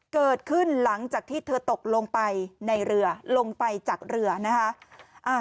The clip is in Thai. เกิดขึ้นหลังจากที่เธอตกลงไปในเรือลงไปจากเรือนะคะ